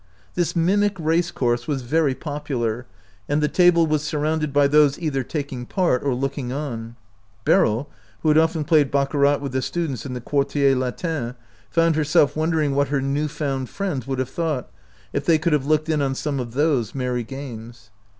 This mimic race course was very popular, and the table was surrounded by those either taking part or looking on. Beryl, who had often played baccarat with the students in the Quartier Latin, found her self wondering what her new found friends would have thought if they could have looked in on some of those merry games.